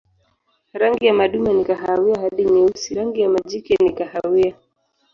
Rangi ya madume ni kahawia hadi nyeusi, rangi ya majike ni kahawia.